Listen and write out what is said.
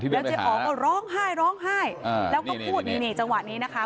แล้วเจ๊อ๋อก็ร้องไห้ร้องไห้แล้วก็พูดนี่จังหวะนี้นะคะ